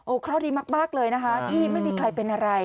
โอ้เข้าที่มากเลยนะคะที่ไม่มีใครเป็นอะไร